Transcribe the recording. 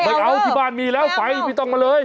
ไม่เอาที่บ้านมีแล้วไฟไม่ต้องมาเลย